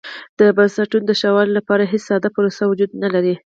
د بنسټونو د ښه والي لپاره هېڅ ساده پروسه وجود نه لري.